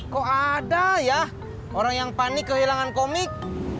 kok ada ya orang yang panik kehilangan komik